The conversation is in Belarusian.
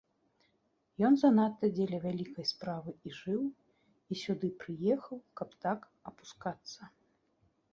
Ён занадта дзеля вялікай справы і жыў, і сюды прыехаў, каб так апускацца.